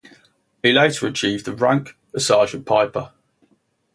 He later achieved the rank of sergeant-piper.